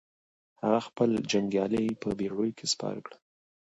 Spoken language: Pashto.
هغه خپل جنګيالي په بېړيو کې سپاره کړل.